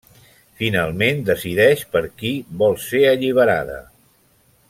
Finalment decideix per qui vol ser alliberada.